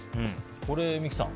これ、三木さん